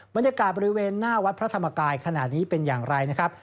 บรรยากาศบริเวณหน้าวัดพระธรรมกายขนาดนี้เป็นอย่างไรนะครับ